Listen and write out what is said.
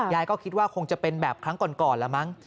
ก็คิดว่าคงจะเป็นแบบครั้งก่อนละมั้ง